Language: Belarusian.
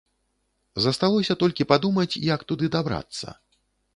Засталося толькі падумаць, як туды дабрацца.